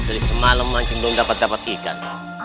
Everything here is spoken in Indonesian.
dari semalam mungkin belum dapat dapat ikan